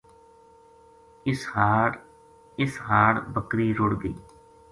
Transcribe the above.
اس ہاڑ بکری رُڑ گئی